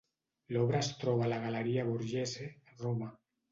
L'obra es troba a la Galeria Borghese, Roma.